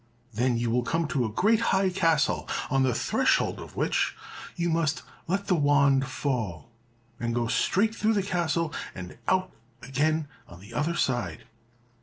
Then you will come to a great high castle, on the threshold of which you must let the wand fall, and go straight through the castle, and out again on the other side.